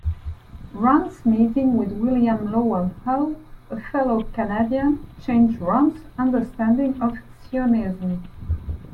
Rand's meeting with William Lovell Hull, a fellow Canadian, changed Rand's understanding of Zionism.